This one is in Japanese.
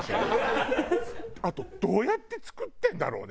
あとどうやって作ってるんだろうね？